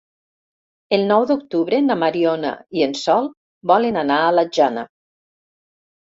El nou d'octubre na Mariona i en Sol volen anar a la Jana.